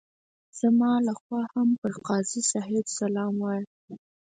زما لخوا هم پر قاضي صاحب سلام ووایه.